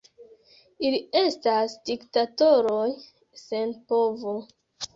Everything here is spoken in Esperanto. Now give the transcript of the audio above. Ili estas diktatoroj sen povo.